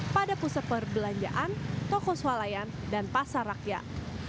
pada pusat perbelanjaan tokos walayan dan pasar rakyat